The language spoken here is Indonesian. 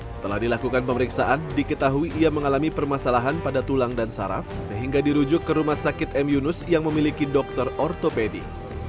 setelah dilakukan pemeriksaan diketahui ia mengalami permasalahan pada tulang dan saraf sehingga dirujuk ke rumah sakit m yunus yang memiliki dokter ortopedi